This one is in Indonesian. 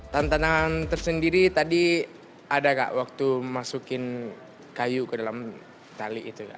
tantangan tersendiri tadi ada kak waktu masukin kayu ke dalam tali itu kak